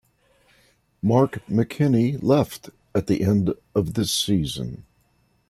Mark McKinney left at the end of this season.